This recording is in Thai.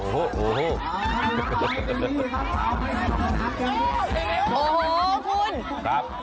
ครับ